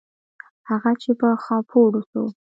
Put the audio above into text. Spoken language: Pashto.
هغه چې په خاپوړو سو.